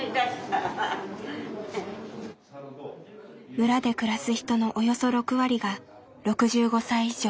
村で暮らす人のおよそ６割が６５歳以上。